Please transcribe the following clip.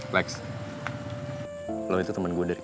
lex lu itu temen gue dari kecil